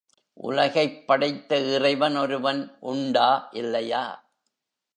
உலகைப் படைத்த இறைவன் ஒருவன் உண்டா, இல்லையா?